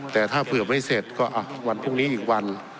แต่ถ้าเผื่อไม่เสร็จก็วันพรุ่งนี้อีกวัน